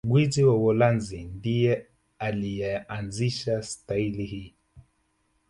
gwiji wa Uholanzi ndiye aliyeanzisha stahili hii